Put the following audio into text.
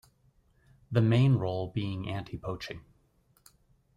The main role being anti poaching.